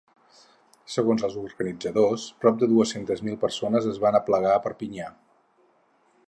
Segons els organitzadors, prop de dues-centes mil persones es van aplegar a Perpinyà.